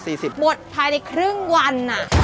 หมดภายในครึ่งวัน